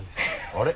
あれ？